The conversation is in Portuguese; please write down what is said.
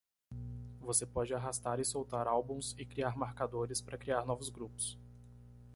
Você pode arrastar e soltar álbuns e criar marcadores para criar novos grupos.